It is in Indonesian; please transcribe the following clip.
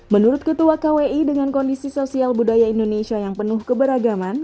menurut ketua kwi dengan kondisi sosial budaya indonesia yang penuh keberagaman